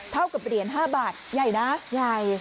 เท่ากับเหรียญ๕บาทใหญ่นะใหญ่